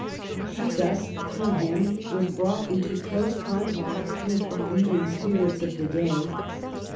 She thus, through him, was brought into close contact with the leading spirits of the day.